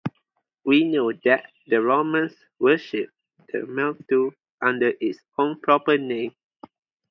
We know that the Romans worshipped the mildew under its own proper name.